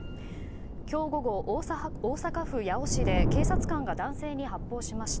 今日午後、大阪府八尾市で警察官が男性に発砲しました。